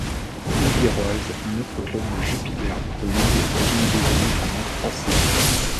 Louviéroise, un autre club de Jupiler Pro League, où il évolue pendant trois saisons.